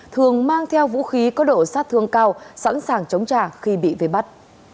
thường mang theo vũ khí có độ sát thương cao sẵn sàng chống trả khi bị về bắt